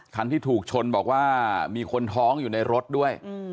คันที่ถูกชนบอกว่ามีคนท้องอยู่ในรถด้วย